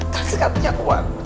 kasih katanya uang